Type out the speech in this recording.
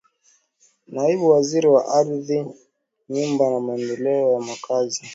Naibu Waziri wa Ardhi Nyumba na Maendeleo ya Makazi